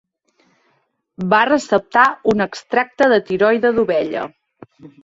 Va receptar un extracte de tiroide d'ovella.